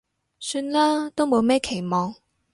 算啦，都冇咩期望